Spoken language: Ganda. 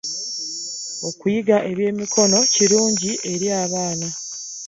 Okuyiga eby'emikono kirungi eri abaana.